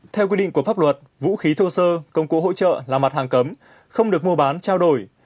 theo quy định của pháp luật vũ khí thô sơ công cụ hỗ trợ là mặt hàng cấm không được mua bán trao đổi